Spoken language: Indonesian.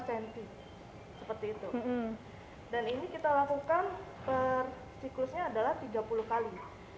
dan ini kita lakukan per siklusnya adalah tiga puluh kali